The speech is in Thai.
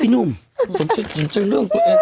อีหนุ่มฉันจะเรื่องกับเอง